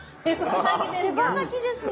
手羽先ですか。